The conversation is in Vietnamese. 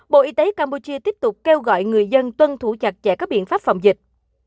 bộ y tế campuchia tiếp tục kêu gọi người dân tuân thủ chặt chẽ các biện pháp phòng dịch